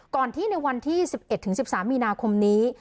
ก่อนที่ในวันที่๑๑๑๓มีนาคมนี้